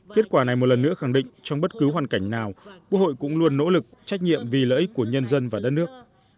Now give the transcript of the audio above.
kết quả này một lần nữa khẳng định trong bất cứ hoàn cảnh nào quốc hội cũng luôn nỗ lực trách nhiệm vì lợi ích của nhân dân và đất nước